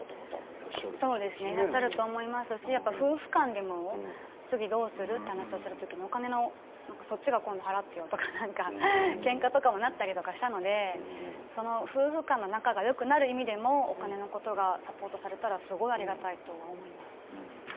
いらっしゃると思いますし、夫婦間でも次にどうするという話をするときもお金、今度はそっちが払ってよとけんかになったりしたので夫婦間の仲がよくなる意味でもお金のことがサポートされたらすごいありがたいと思います。